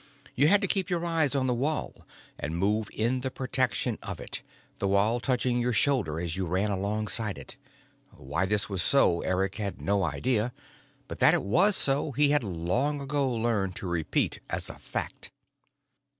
You had to keep your eyes on the wall and move in the protection of it, the wall touching your shoulder as you ran alongside it. Why this was so, Eric had no idea, but that it was so he had long ago learned to repeat as a fact.